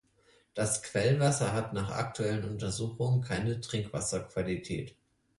Das Quellwasser hat nach aktuellen Untersuchungen keine Trinkwasserqualität.